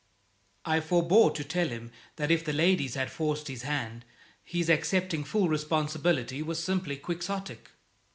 I forbore to tell him that if the ladies had forced his hand his accepting full responsibility was simply quixotic.